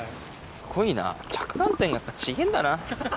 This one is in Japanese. すごいな着眼点がやっぱ違ぇんだな。